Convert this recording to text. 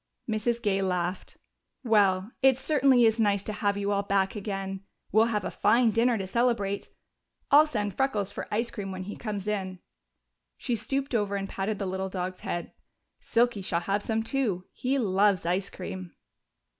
Mrs. Gay laughed. "Well, it certainly is nice to have you all back again. We'll have a fine dinner to celebrate I'll send Freckles for ice cream when he comes in." She stooped over and patted the little dog's head. "Silky shall have some too. He loves ice cream."